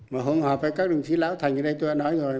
mà hôm hòa với các đồng chí lão thành ở đây tôi đã nói rồi